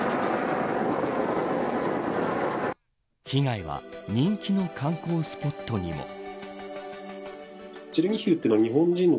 被害は人気の観光スポットにも。